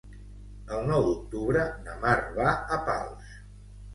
El nou d'octubre na Mar va a Pals.